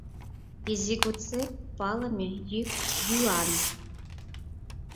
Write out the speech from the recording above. Изи годсек палыме йӱк-йӱан.